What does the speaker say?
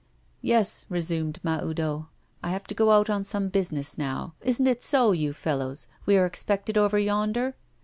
'Yes,' resumed Mahoudeau. 'I have to go out on some business now. Isn't it so, you fellows, we are expected over yonder?